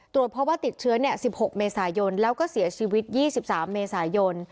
ตรวจเพราะว่าติดเชื้อ๑๖เมษายนแล้วก็เสียชีวิต๒๓เมษายน